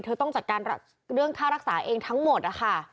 เธอต้องจัดการเรื่องค่ารักษาเองทั้งหมดนะคะ